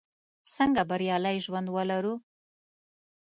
څنګه بریالی ژوند ولرو?